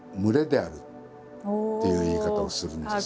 考えるとねっていう言い方をするんです。